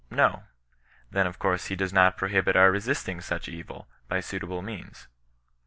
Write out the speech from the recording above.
No. Then of course he does not prohibit our resisting tuck evU by suitable means.